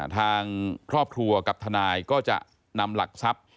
ทางครอบครัวกับทนายก็จะนำหลักทรัพย์